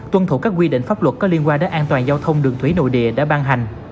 tuân thủ các quy định pháp luật có liên quan đến an toàn giao thông đường thủy nội địa đã ban hành